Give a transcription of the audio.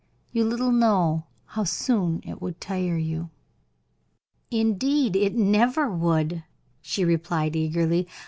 You little know how soon it would tire you." "Indeed, it never would," she replied, eagerly.